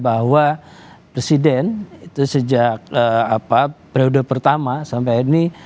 bahwa presiden itu sejak periode pertama sampai ini